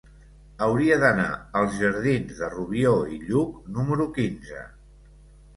Hauria d'anar als jardins de Rubió i Lluch número quinze.